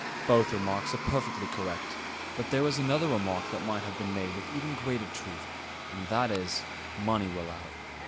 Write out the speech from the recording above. Both remarks are perfectly correct; but there is another remark that might have been made with even greater truth, and that is 'Money will out.'